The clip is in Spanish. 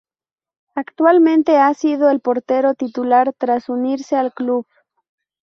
Actualmente, ha sido el portero titular tras unirse al club.